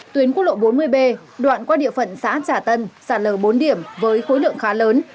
tuyến quốc lộ bốn mươi b đoạn qua địa phận xã trà tân sạt lở bốn điểm với khối lượng khá lớn